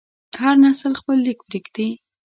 هر نسل خپل لیک پرېږدي.